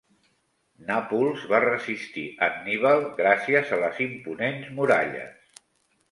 Nàpols va resistir Anníbal gràcies a les imponents muralles.